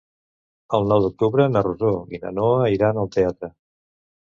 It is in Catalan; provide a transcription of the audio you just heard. El nou d'octubre na Rosó i na Noa iran al teatre.